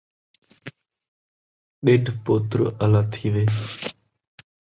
ݙُڈھ پُتر آلا تھین٘ویں